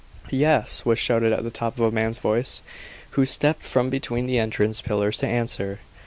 "Yes!" was shouted at the top of a man's voice, who stepped from between the entrance pillars to answer.